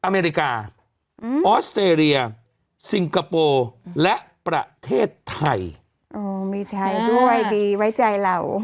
อเมริกาออสเตรเลียซิงคโปร์และประเทศไทยอ๋อมีไทยด้วยดีไว้ใจเรา